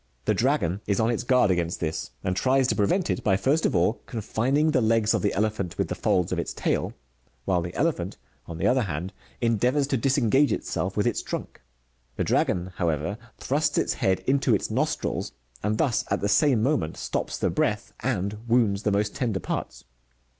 The dragon is on its guard against this, and tries to prevent it, by first of all con fining the legs of the elephant with the folds of its tail ; while the elephant, on the other hand, endeavours to disengage itself with its trunk. The dragon, however, thrusts its head into its nostrils, and thus, at the same moment, stops the breath and wounds the most tender parts.